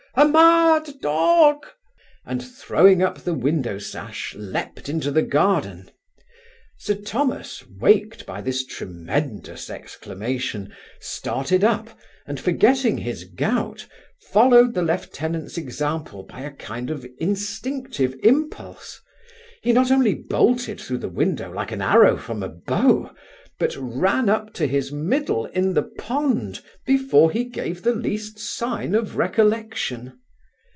a mad dog!' and throwing up the window sash, leaped into the garden Sir Thomas, waked by this tremendous exclamation, started up, and forgetting his gout, followed the lieutenant's example by a kind of instinctive impulse. He not only bolted thro' the window like an arrow from a bow, but ran up to his middle in the pond before he gave the least sign of recollection.